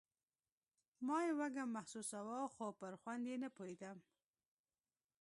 ما يې وږم محسوساوه خو پر خوند يې نه پوهېدم.